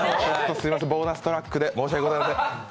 ボーナストラックで申し訳ございません。